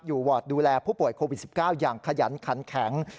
วอร์ดดูแลผู้ป่วยโควิด๑๙อย่างขยันขันแข็ง